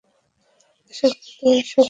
আশা করি তোমরা সকলে কুশলে আছ।